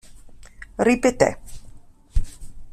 Ripeté.